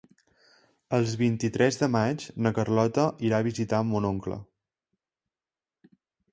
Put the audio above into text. El vint-i-tres de maig na Carlota irà a visitar mon oncle.